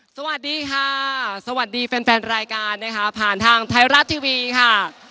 สวัสดีค่ะสวัสดีแฟนแฟนรายการนะคะผ่านทางไทยรัฐทีวีค่ะ